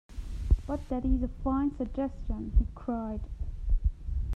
"But that is a fine suggestion," he cried.